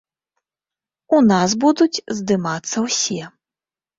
У нас будуць здымацца ўсе.